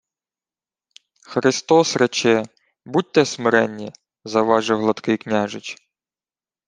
— Христос рече: будьте смиренні, — завважив гладкий княжич.